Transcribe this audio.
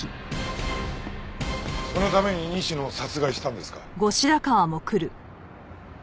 そのために西野を殺害したんですか？